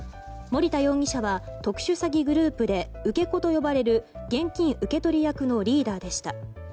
森田容疑者は特殊詐欺グループで受け子と呼ばれる現金受け取り役のリーダーでした。